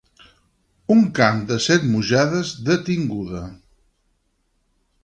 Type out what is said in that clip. Un camp de set mujades de tinguda.